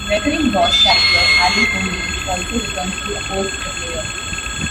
Recurring boss character Allen O'Neil also returns to oppose the player.